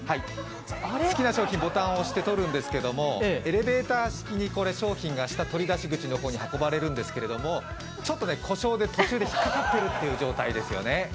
好きな商品、ボタンを押して取るんですけれどもエレベーター式に商品が下、取り出し口の方に運ばれるんですけれども、ちょっと故障で途中で引っかかっているっていう状態ですね。